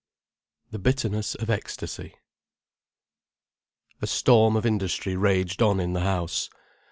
THE BITTERNESS OF ECSTASY A storm of industry raged on in the house.